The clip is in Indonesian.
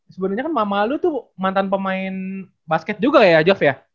sebenarnya kan mama aldo tuh mantan pemain basket juga ya job ya